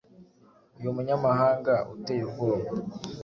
uyu munyamahanga uteye ubwoba